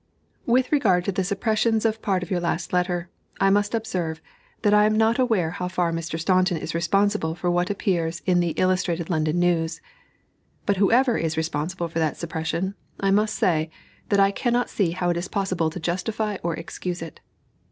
With regard to the suppressions of part of your last letter, I must observe, that I am not aware how far Mr. Staunton is responsible for what appears in the Illustrated London News. But whoever is responsible for that suppression, I must say, that I cannot see how it is possible to justify or excuse it.